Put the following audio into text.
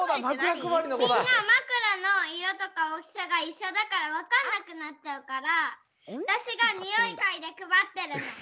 みんなまくらのいろとかおおきさがいっしょだからわかんなくなっちゃうからわたしがにおいかいでくばってるの！